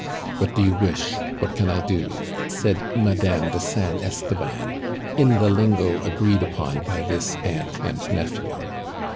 "What do you wish? What can I do?" said Madame de San Esteban in the lingo agreed upon by this aunt and nephew.